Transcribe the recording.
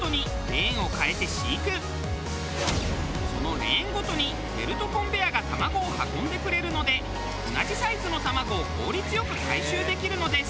そのレーンごとにベルトコンベアが卵を運んでくれるので同じサイズの卵を効率良く回収できるのです。